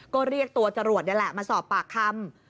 ก็เรียกตัวจรวดนี่แหละมาสอบปากคำ